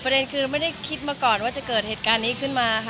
เด็นคือเราไม่ได้คิดมาก่อนว่าจะเกิดเหตุการณ์นี้ขึ้นมาค่ะ